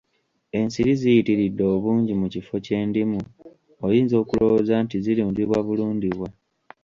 Ensiri ziyitiridde obungi mu kifo kye ndimu oyinza okulowooza nti zirundibwa bulundibwa.